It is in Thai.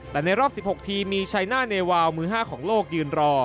แต่ในรอบ๑๖ทีมมีชัยหน้าเนวาวมือ๕ของโลกยืนรอ